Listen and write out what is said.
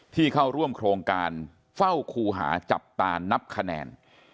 ที่เข้าร่วมโครงการเฝ้าคูหาจับตานับคะแนน